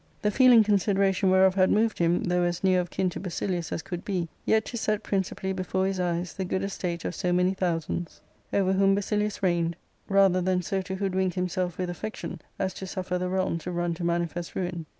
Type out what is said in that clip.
The feeling consideration whereof had moved him, though as near of kin to Basilius as could be, yet to set principally before his eyes the good estate of so many thousands, over whom Basilius reigned, rather than so to hoodwink himself with affection as to suffer the realm to run to manifest ruin.